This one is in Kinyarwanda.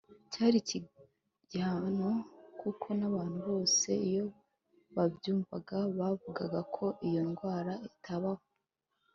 Cyari igihano kuko n’abantu bose iyo babyumvaga bavugaga ko iyo ndwara itabaho